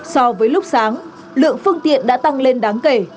so với lúc sáng lượng phương tiện đã tăng lên đáng kể